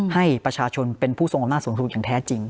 ให้ประชาชนเป็นผู้ทรงอำนาจสูงสุดอย่างแท้จริง